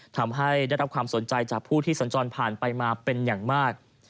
ทำให้ได้รับความสนใจจากผู้ที่สัญจรผ่านไปมาเป็นอย่างมาก